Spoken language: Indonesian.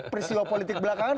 peristiwa politik belakangan